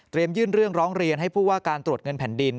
ยื่นเรื่องร้องเรียนให้ผู้ว่าการตรวจเงินแผ่นดิน